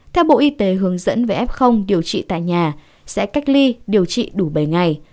theo bộ y tế hướng dẫn về f điều trị tại nhà sẽ cách ly điều trị đủ bảy ngày